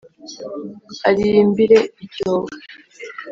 ariyimbire icyobo.